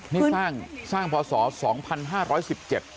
นี่สร้างพอสอ๒๕๑๗ค่ะ